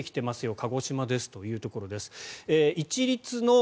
鹿児島ですというところです。